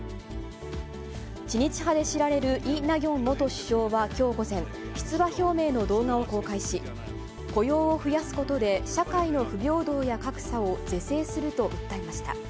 知日派で知られるイ・ナギョン元首相はきょう午前、出馬表明の動画を公開し、雇用を増やすことで、社会の不平等や格差を是正すると訴えました。